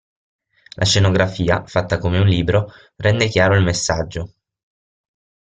La scenografia, fatta come un libro rende chiaro il messaggio.